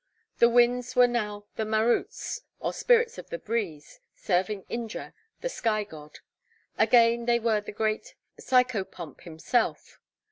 The winds were now the maruts, or spirits of the breeze, serving Indra, the sky god; again they were the great psychopomp himself.